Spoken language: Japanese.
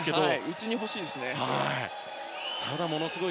うちに欲しいですね。